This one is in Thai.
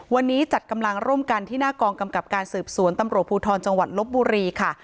วันนี้จัดกำลังร่วมกันที่หน้ากองกำกับการสืบสวนตำรวจภูทรจังหวัดลบบุรีค่ะ